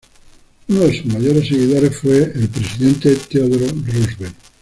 Uno de sus mayores seguidores fue presidente Theodore Roosevelt.